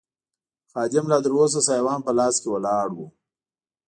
خادم لا تراوسه سایوان په لاس ولاړ و.